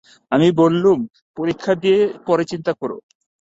আমি বললুম, পরীক্ষা দিয়ে পরে চিন্তা কোরো।